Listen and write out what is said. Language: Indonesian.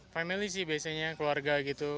family sih biasanya keluarga gitu